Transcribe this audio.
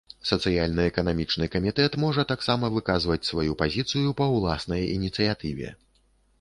Сацыяльна-эканамічны камітэт можа таксама выказваць сваю пазіцыю па ўласнай ініцыятыве.